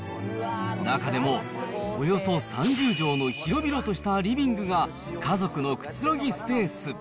中でも、およそ３０畳の広々としたリビングが、家族のくつろぎスペース。